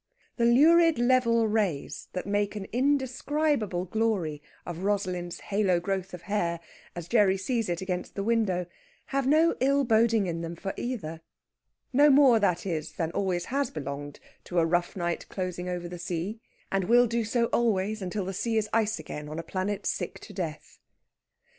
The lurid level rays that make an indescribable glory of Rosalind's halo growth of hair as Gerry sees it against the window, have no ill boding in them for either no more, that is, than always has belonged to a rough night closing over the sea, and will do so always until the sea is ice again on a planet sick to death.